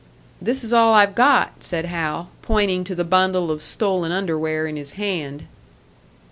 "This is all I've got," said Hal, pointing to the bundle of stolen underwear in his hand.